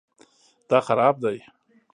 دا خراب دی